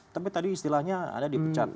tapi tadi istilahnya ada dipecat